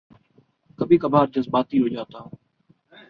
کبھی کبھار جذباتی ہو جاتا ہوں